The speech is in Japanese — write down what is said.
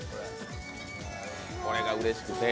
これがうれしくて。